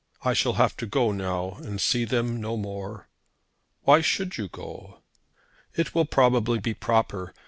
I shall have to go now and see them no more." "Why should you go?" "It will probably be proper.